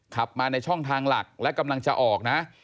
ขับมาในช่องทางหลักและกำลังจะออกนะ